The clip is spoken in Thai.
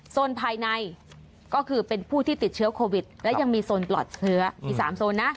ภายในก็คือเป็นผู้ที่ติดเชื้อโควิดและยังมีโซนปลอดเชื้ออีก๓โซนนะ